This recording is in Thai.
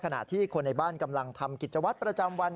ขณะที่คนในบ้านกำลังทำกิจวัตรประจำวัน